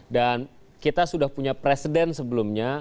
dan kita sudah punya presiden sebelumnya